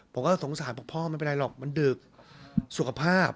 ผมก็สงสารบอกพ่อไม่เป็นไรหรอกมันดึกสุขภาพ